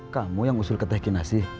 kamu yang usul ke teh kinasi